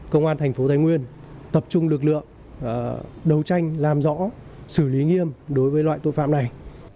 công an thành phố thái nguyên tập trung lực lượng đấu tranh làm rõ xử lý nghiêm đối với loại tội phạm này